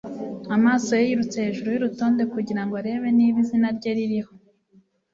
Amaso ye yirutse hejuru y'urutonde kugira ngo arebe niba izina rye ririho